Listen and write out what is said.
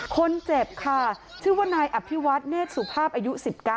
คนเจ็บค่ะชื่อว่านายอภิวัตเนธสุภาพอายุ๑๙